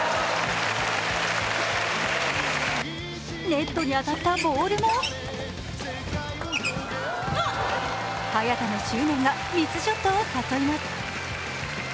ネットに当たったボールも早田の執念がミスショットを誘います。